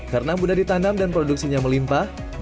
karena mudah ditanam dan produksinya melimpah